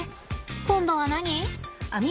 今度は何？